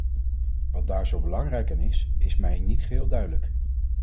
Wat daar zo belangrijk aan is, is mij niet geheel duidelijk.